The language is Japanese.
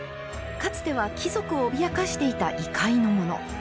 かつては貴族を脅かしていた異界のもの。